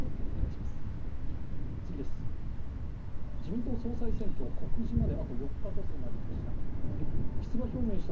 自民党総裁選挙、告示まであと４日と迫りました。